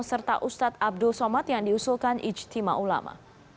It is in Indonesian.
serta ustadz abdul somad yang diusulkan ijtima ulama